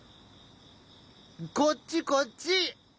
こっちこっち！